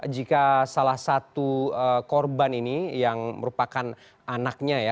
jika salah satu korban ini yang merupakan anaknya ya